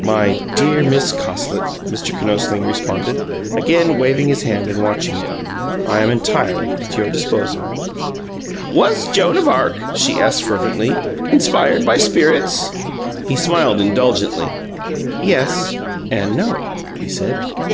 "My dear Miss Cosslit," Mr. Kinosling responded, again waving his hand and watching it, "I am entirely at your disposal." "WAS Joan of Arc," she asked fervently, "inspired by spirits?" He smiled indulgently. "Yes and no," he said.